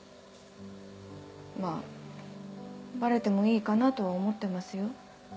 まぁバレてもいいかなとは思ってますよ。